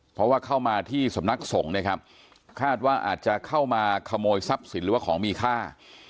เพราะว่าเข้ามาที่สำนักสงฆ์นะครับคาดว่าอาจจะเข้ามาขโมยทรัพย์สินหรือว่าของมีค่า